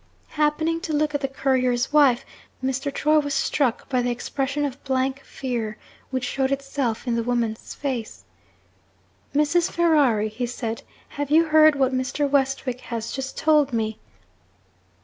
Happening to look at the courier's wife, Mr. Troy was struck by the expression of blank fear which showed itself in the woman's face. 'Mrs. Ferrari,' he said, 'have you heard what Mr. Westwick has just told me?'